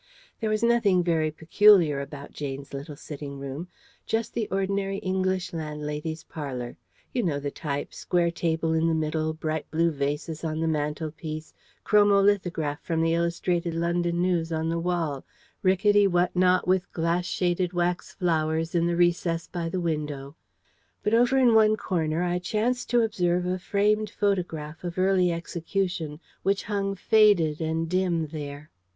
There was nothing very peculiar about Jane's little sitting room: just the ordinary English landlady's parlour. You know the type: square table in the middle; bright blue vases on the mantelpiece; chromo lithograph from the Illustrated London News on the wall; rickety whatnot with glass shaded wax flowers in the recess by the window. But over in one corner I chanced to observe a framed photograph of early execution, which hung faded and dim there.